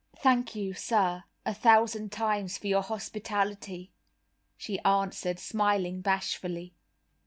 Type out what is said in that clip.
"Thank you, sir, a thousand times for your hospitality," she answered, smiling bashfully.